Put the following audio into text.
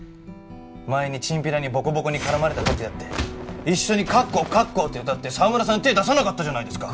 前にチンピラにボコボコに絡まれた時だって一緒に「カッコウカッコウ」って歌って澤村さん手出さなかったじゃないですか。